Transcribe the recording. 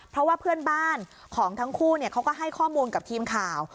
เพราะว่าเพื่อนบ้านของทั้งคู่เขาก็ให้ข้อมูลกับทีมข่าว